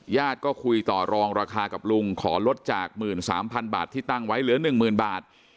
ญาติก็คุยต่อรองราคากับลุงขอลดจากหมื่นสามพันบาทที่ตั้งไว้เหลือหนึ่งหมื่นบาท